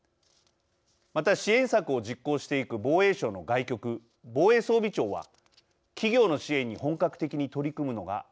また支援策を実行していく防衛省の外局防衛装備庁は企業の支援に本格的に取り組むのが初めてとなります。